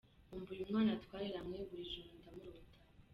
Nkumbuye umwana twareranywe, buri joro ndamurota.